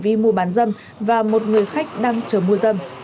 một đôi nam nữ đang thực hiện hình dung vì mua bán dâm và một người khách đang chờ mua dâm